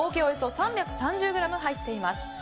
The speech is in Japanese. およそ３３０ｇ入っています。